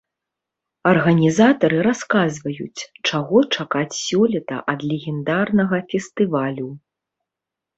Арганізатары расказваюць, чаго чакаць сёлета ад легендарнага фестывалю.